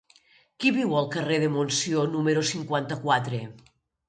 Qui viu al carrer de Montsió número cinquanta-quatre?